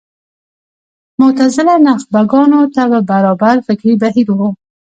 معتزله نخبه ګانو طبع برابر فکري بهیر و